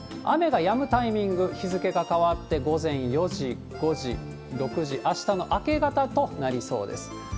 雨がやむタイミング、日付が変わって午前４時、５時、６時、あしたの明け方となりそうです。